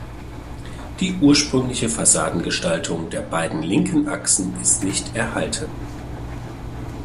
Die ursprüngliche Fassadengestaltung der beiden linken Achsen ist nicht erhalten.